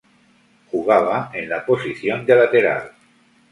Jugaba en la posición de lateral.